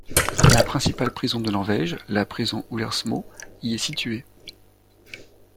La principale prison de Norvège, la prison Ullersmo, y est située.